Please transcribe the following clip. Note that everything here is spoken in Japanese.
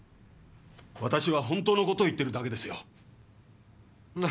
私は本当の事を言ってるだけですよ。